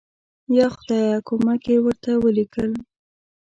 یا خدایه کومک یې ورته ولیکل.